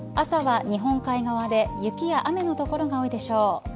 朝は日本海側で雪や雨の所が多いでしょう。